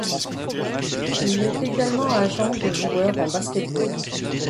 Il est également agent de joueurs en basketball.